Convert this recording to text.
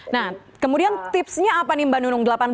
nah kemudian tipsnya apa nih mbak nunung